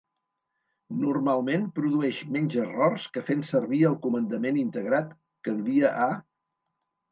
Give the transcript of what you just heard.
Normalment produeix menys errors que fer servir el comandament integrat "Canvia a"